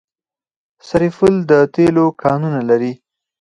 سرپل د تیلو کانونه لري